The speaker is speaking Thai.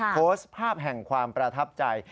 โพสต์ภาพแห่งความประทับใจ